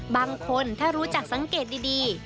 บางคนถ้ารู้จักสังเกตดี